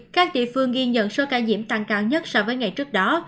các địa phương ghi nhận số ca nhiễm tăng cao nhất so với ngày trước đó